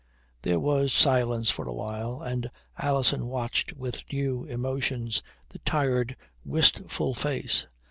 There was silence for a while, and Alison watched with new emotions the tired, wistful face.